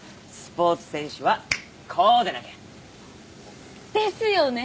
スポーツ選手はこうでなきゃ！